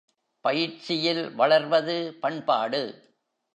பயிற்சியில் வளர்வது பண்பாடு.